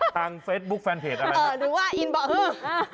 ทางเฟสบุ๊คแฟนเพจหรือว่าอินบอฮื้อ